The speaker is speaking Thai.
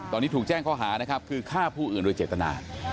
ตอนนี้ถูกแจ้งข้อหานะครับคือฆ่าผู้อื่นโดยเจตนา